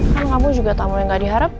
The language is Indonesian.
kalau kamu juga tamu yang nggak diharap